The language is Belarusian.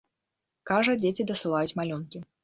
Кажа, дзеці дасылаюць малюнкі.